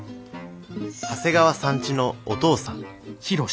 長谷川さんちのお父さん。